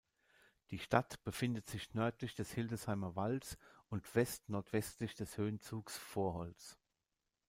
Die Stadt befindet sich nördlich des Hildesheimer Walds und west-nordwestlich des Höhenzugs Vorholz.